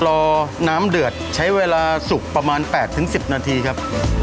รอน้ำเดือดใช้เวลาสุกประมาณ๘๑๐นาทีครับ